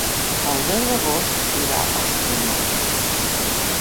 El deu d'agost irà al cinema.